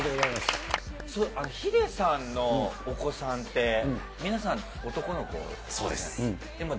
ヒデさんのお子さんって、皆さん、男の子ですよね。